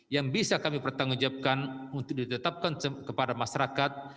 yang bisa kami pertanggungjawabkan untuk ditetapkan kepada masyarakat